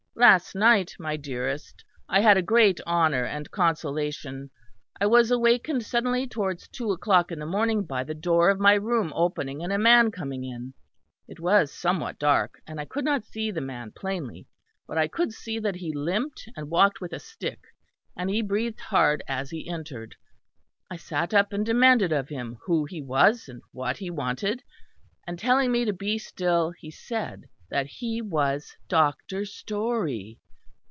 "Last night, my dearest, I had a great honour and consolation. I was awakened suddenly towards two o'clock in the morning by the door of my room opening and a man coming in. It was somewhat dark, and I could not see the man plainly, but I could see that he limped and walked with a stick, and he breathed hard as he entered. I sat up and demanded of him who he was and what he wanted; and telling me to be still, he said that he was Dr. Storey.